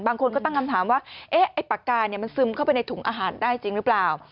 บางคนก็ตั้งคำถามว่าไอ้ปากกามันซึมเข้าไปในถุงอาหารได้จริงหรือเปล่า